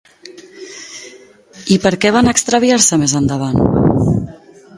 I per què van extraviar-se més endavant?